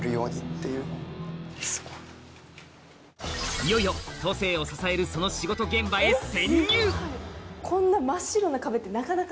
いよいよ都政を支えるその仕事現場へ潜入そうなの？